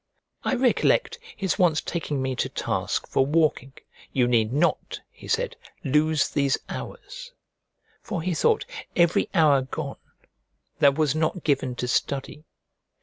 I recollect his once taking me to task for walking. "You need not," he said, "lose these hours." For he thought every hour gone that was not given to study.